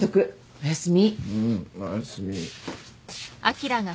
おやすみ。